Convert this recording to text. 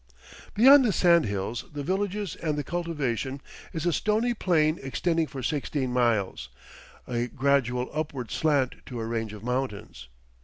Beyond the sand hills, the villages, and the cultivation is a stony plain extending for sixteen miles, a gradual upward slant to a range of mountains.